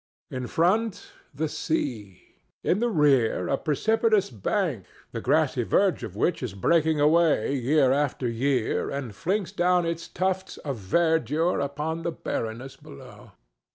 In front, the sea; in the rear, a precipitous bank the grassy verge of which is breaking away year after year, and flings down its tufts of verdure upon the barrenness below.